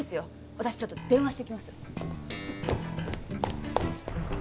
私ちょっと電話してきます